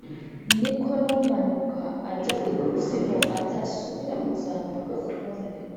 ni ko n’umanuka ajya ikuzimu atasubira kuzamuka ukundi